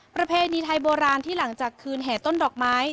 ประเพณีไทยโบราณที่หลังจากคืนแห่ต้นดอกไม้